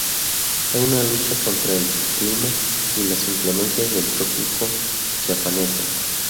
Fue una lucha contra el clima y las inclemencias del trópico chiapaneco.